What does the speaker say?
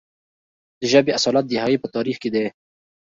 د ژبې اصالت د هغې په تاریخ کې دی.